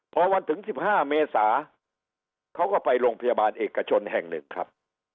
พอวันถึง๑๕เมษาเขาก็ไปโรงพยาบาลเอกชนแห่งหนึ่งครับ